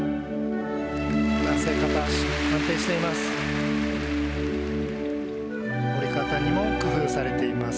男性、片脚、安定しています。